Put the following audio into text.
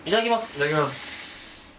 いただきます。